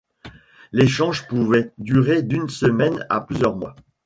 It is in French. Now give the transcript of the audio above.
L’échange pouvait durer d’une semaine à plusieurs mois.